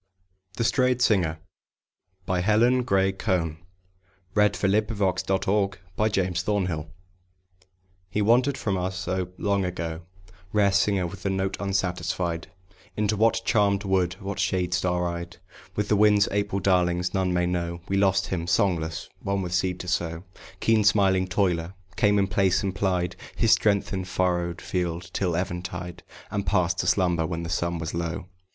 g year, Whose voices answer the autumnnal wind. THE STRAYED SINGER (MATTHEW ARNOLD) He wandered from us long, oh, long ago, Rare singer, with the note unsatisfied; Into what charmèd wood, what shade star eyed With the wind's April darlings, none may know. We lost him. Songless, one with seed to sow, Keen smiling toiler, came in place, and plied His strength in furrowed field till eventide, And passed to slumber when the sun was low.